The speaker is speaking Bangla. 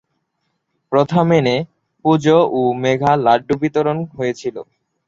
প্রথা মেনে পুজো ও মেঘা লাড্ডু বিতরণ হয়েছিল।